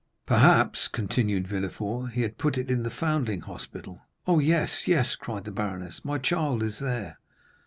"Perhaps," continued Villefort, "he had put it in the foundling hospital." "Oh, yes, yes," cried the baroness; "my child is there!"